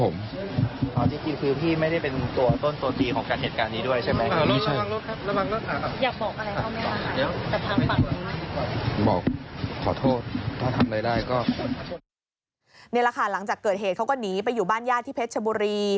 นี่แหละค่ะหลังจากเกิดเหตุเขาก็หนีไปอยู่บ้านญาติที่เพชรชบุรี